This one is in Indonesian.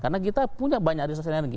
karena kita punya banyak resursi energi